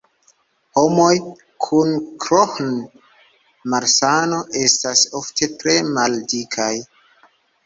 Homoj kun Crohn-malsano estas ofte tre maldikaj.